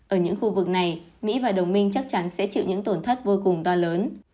ở những khu vực này mỹ và đồng minh chắc chắn sẽ chịu những tổn thất vô cùng to lớn